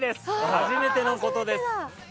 初めてのことです。